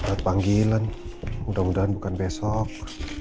buat panggilan mudah mudahan bukan besok